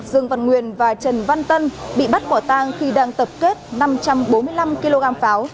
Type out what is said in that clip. dương văn nguyên và trần văn tân bị bắt quả tang khi đang tập kết năm trăm bốn mươi năm kg pháo